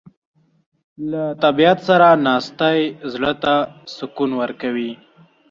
له طبیعت سره ناستې زړه ته سکون ورکوي.